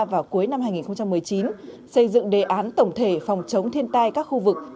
vào cuối năm hai nghìn một mươi chín xây dựng đề án tổng thể phòng chống thiên tai các khu vực